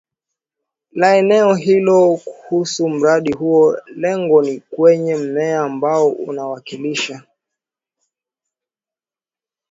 la eneo hilo kuhusu mradi huo Lengo ni kwenye mmea ambao unawakilisha